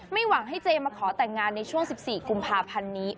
หวังให้เจมาขอแต่งงานในช่วง๑๔กุมภาพันธ์นี้